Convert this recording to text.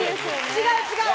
違う違う！